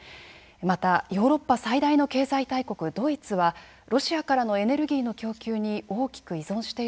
またヨーロッパ最大の経済大国ドイツはロシアからのエネルギーの供給に大きく依存していることもあって